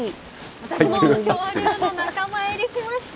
私も恐竜の仲間入りしました。